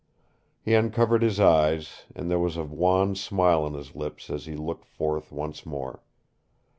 He uncovered his eyes, and there was a wan smile on his lips as he looked forth once more.